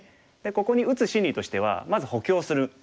ここに打つ心理としてはまず補強するのが一つ。